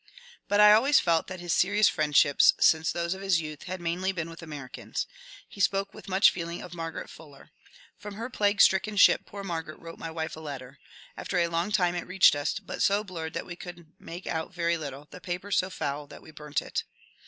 But I always felt that his serious friendships, since those of his youth, had mainly been with Americans. He spoke with much feeling of Margaret Fuller. *^ From her plague stricken ship poor Margaret wrote my wife a letter. After a long time it reached us, but so blurred that we could make out very little, the paper so foul that we burnt it."